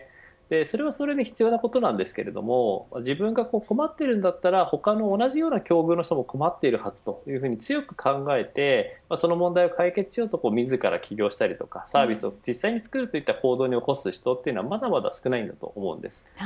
それはそれで必要なことなんですが自分が困っているんだったら他の同じような境遇にある人も困っているはずと、強く考えてその問題を解決しようと自ら起業したりですとかサービスを実際に作る行動を起こす人はまだまだ少ないです。